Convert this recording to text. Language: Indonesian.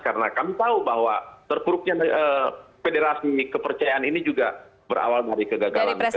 karena kami tahu bahwa terkurupnya federasi kepercayaan ini juga berawal dari kegagalan timnas